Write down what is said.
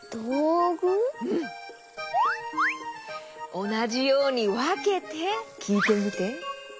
おなじようにわけてきいてみて。